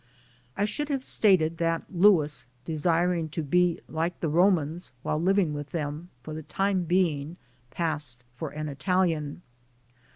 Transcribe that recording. (I should have stated that Louis, desiring to be like the Romans while living with them, for the time being passed for an Italian.)